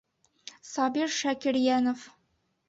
Сабир ШАКИРЙӘНОВ.